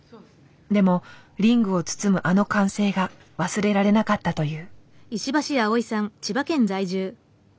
でもリングを包むあの歓声が忘れられなかったという。